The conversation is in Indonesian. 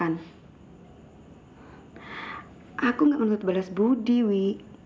aku nggak menuntut balas budi wi